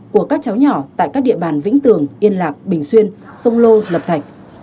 của các cháu nhỏ tại các địa bàn vĩnh tường yên lạc bình xuyên sông lô lập thạch